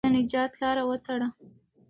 د نجات لاره وتړه.